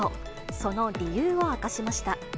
その理由を明かしました。